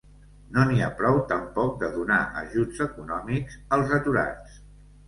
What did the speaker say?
No n’hi ha prou tampoc de donar ajuts econòmics als aturats.